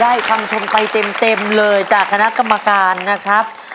คำชมไปเต็มเลยจากคณะกรรมการนะครับ